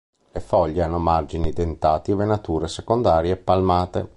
Le foglie hanno margini dentati e venature secondarie palmate.